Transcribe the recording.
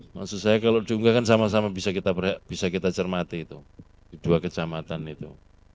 maksud saya kalau diunggah kan sama sama bisa kita cermati itu di dua kecamatan itu